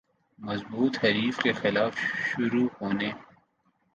ضبوط حریف کے خلاف شروع ہونے